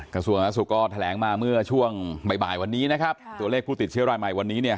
กระทรวงสาธาสุขก็แถลงมาเมื่อช่วงบ่ายวันนี้นะครับตัวเลขผู้ติดเชื้อรายใหม่วันนี้เนี่ย